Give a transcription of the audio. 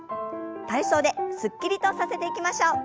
体操ですっきりとさせていきましょう。